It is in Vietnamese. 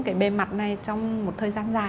cái bề mặt này trong một thời gian dài